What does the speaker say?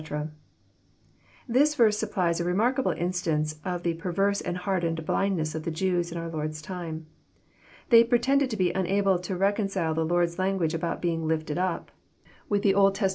'] This verse snppUes a remarkable instaDce of the perverse and hardened blindness of the Jews in our Lord's time. They i^retended to be nnable to reconcile the Lord's language about being '< lifted up," with the Old Test* JOHN, CHAP. xn.